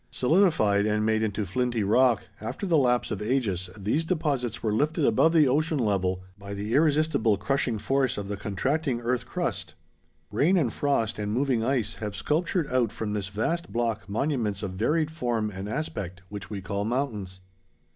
Solidified and made into flinty rock, after the lapse of ages these deposits were lifted above the ocean level by the irresistible crushing force of the contracting earth crust. Rain and frost and moving ice have sculptured out from this vast block monuments of varied form and aspect which we call mountains.